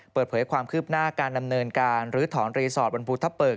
เปิดเผยความคืบหน้าการดำเนินการลื้อถอนรีสอร์ทบนภูทะเปิก